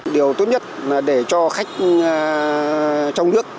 điều tốt nhất là để cho khách trong nước